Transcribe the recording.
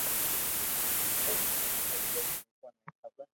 پر اڄو تڪ ڪوئي مينکو ني خبر